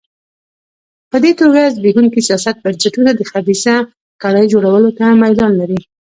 په دې توګه زبېښونکي سیاسي بنسټونه د خبیثه کړۍ جوړولو ته میلان لري.